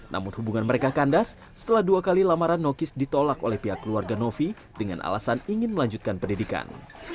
namun hubungan mereka kandas setelah dua kali lamaran nokis ditolak oleh pihak keluarga novi dengan alasan ingin melanjutkan pendidikan